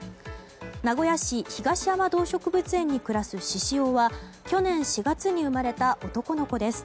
名古屋市東山動植物園に暮らすししおは去年４月に生まれた男の子です。